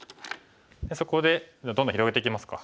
そこでどんどん広げていきますか。